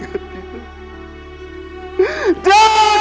gak ada kayak ini